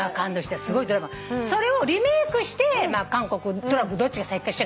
それをリメークして韓国トルコどっちが先か。